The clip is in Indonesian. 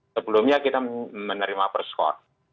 sebelumnya kita menerima perskort